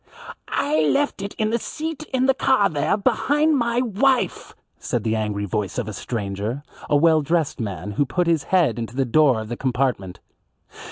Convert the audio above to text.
"I left it in the seat in the car there behind my wife," said the angry voice of a stranger, a well dressed man who put his head into the door of the compartment.